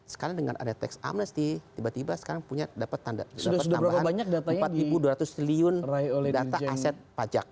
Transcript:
sekarang dengan ada teks amnesti tiba tiba sekarang punya dapat tambahan empat dua ratus triliun data aset pajak